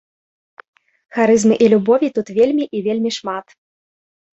Харызмы і любові тут вельмі і вельмі шмат.